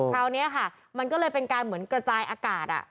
คราวนี้ค่ะมันก็เลยเป็นการเหมือนกระจายอากาศ